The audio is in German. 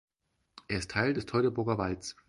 Er ist Teil des Teutoburger Walds.